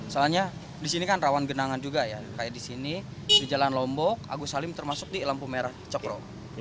soalnya di sini kan rawan genangan juga ya kayak di sini di jalan lombok agus salim termasuk di lampu merah cokro